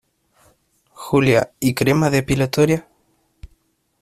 Julia, ¿ y crema depilatoria?